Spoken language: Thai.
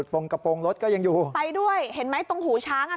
ตรงกระโปรงรถก็ยังอยู่ไปด้วยเห็นไหมตรงหูช้างอ่ะ